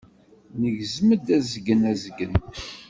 Neggzen-d azgen azgen.